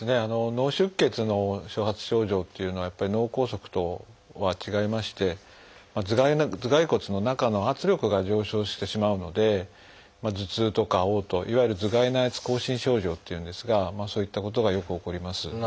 脳出血の初発症状というのは脳梗塞とは違いまして頭蓋骨の中の圧力が上昇してしまうので頭痛とかおう吐いわゆる「頭蓋内圧亢進症状」というんですがそういったことがよく起こります。